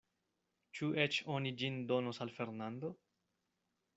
Ĉu eĉ oni ĝin donos al Fernando?